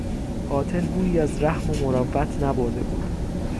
قاتل بویی از رحم و مروت نبرده بود.